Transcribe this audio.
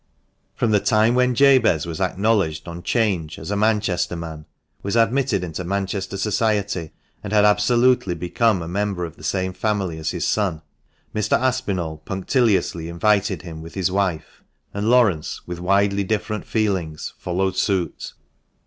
From the time when Jabez was acknowledged on 'Change as a Manchester man, was admitted into Manchester "society," and had absolutely become a member of the same family as his son, Mr. Aspinall punctiliously invited him with his wife; and Laurence, with widely different feelings, followed suit.